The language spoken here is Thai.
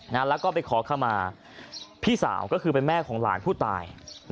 แล้วก็ไปขอขมาพี่สาวก็คือเป็นแม่ของหลานผู้ตาย